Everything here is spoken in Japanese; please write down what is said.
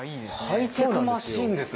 ハイテクマシンですね。